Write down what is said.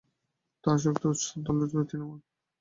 তাঁর শক্তির উৎস দলের তৃণমূল।